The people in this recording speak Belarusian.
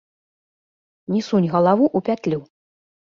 Не сунь галаву ў пятлю!